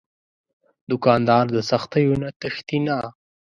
دوکاندار د سختیو نه تښتي نه.